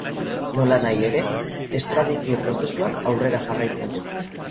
Nolanahi ere, estradizio prozesuak aurrera jarraitzen du.